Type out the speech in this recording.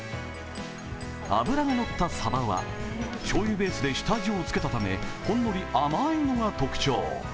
脂が乗ったさばはしょうゆベースで下味をつけたためほんのり甘いのが特徴。